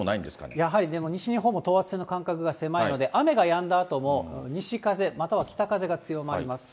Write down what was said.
やはり西日本も等圧線の間隔が狭いので、雨がやんだあとも西風または北風が強まります。